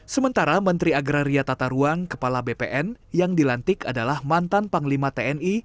sementara menteri agraria tata ruang kepala bpn yang dilantik adalah mantan panglima tni